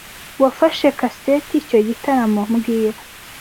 Wafashe kaseti icyo gitaramo mbwira (